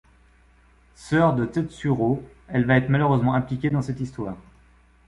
Sœur de Tetsuro, elle va être malheureusement impliquée dans cette histoire.